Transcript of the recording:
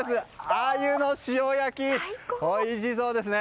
アユの塩焼き、おいしそうですね。